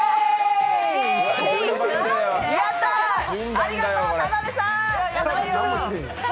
ありがとう、田辺さん！